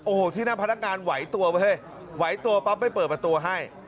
โอ้โหที่หน้าพนักงานไหวตัวเฮ้ยไหวตัวปั๊บไม่เปิดประตูให้